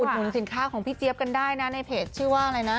หนุนสินค้าของพี่เจี๊ยบกันได้นะในเพจชื่อว่าอะไรนะ